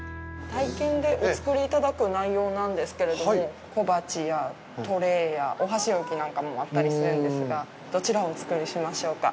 体験でお作りいただく内容なんですけれども、小鉢や、トレーや、お箸置きなんかもあったりするんですが、どちらをお作りしましょうか？